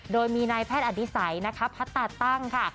โดยมีนายแพทย์อดิสัยนะคะพัตตาตั้งค่ะ